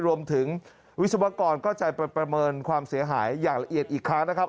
รวมถึงวิศวกรก็จะประเมินความเสียหายอย่างละเอียดอีกครั้งนะครับ